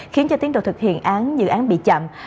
khiến tiến độ thực hiện dự án bị chậm